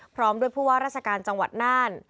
พร้อมด้วยผู้ว่าราชการจังหวัดน่าน